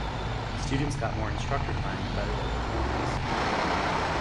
Students got more instructor time the better their performance.